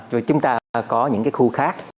rồi chúng ta có những cái khu khác